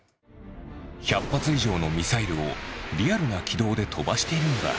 １００発以上のミサイルをリアルな軌道で飛ばしているのだ。